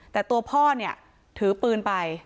แต่ตัวพ่อเนี่ยถือปืนไป